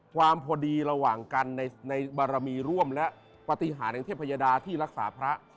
พอดีระหว่างกันในบารมีร่วมและปฏิหารแห่งเทพยดาที่รักษาพระ